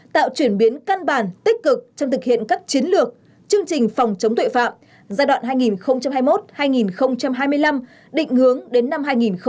tạo chuyển biến căn bản tích cực trong thực hiện các chiến lược chương trình phòng chống tội phạm giai đoạn hai nghìn hai mươi một hai nghìn hai mươi năm định hướng đến năm hai nghìn ba mươi